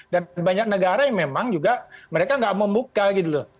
dan banyak negara yang memang juga mereka nggak membuka gitu loh